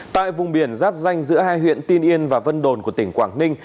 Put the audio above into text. tại vùng biển giáp danh giữa hai huyện tiên yên và vân đồn của tỉnh quảng ninh